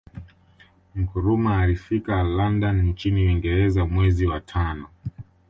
Nkrumah alfika London nchini Uingereza mwezi wa tano